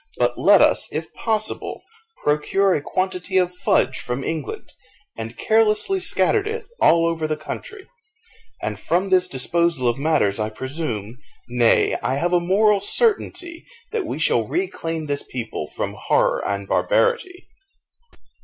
But let us, if possible, procure a quantity of fudge from England, and carelessly scatter it over all the country; and from this disposal of matters I presume nay, I have a moral certainty, that we shall reclaim this people from horror and barbarity."